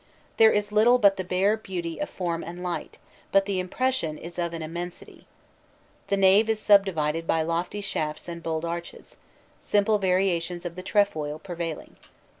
There is little but the bare beauty of form and light, but the impression is of an immensity. The nave is subdivided by lofty shafts and bold arches, simple variations of the trefoil prevailing.